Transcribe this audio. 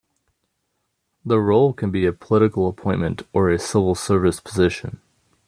The role can be a political appointment or a civil service position.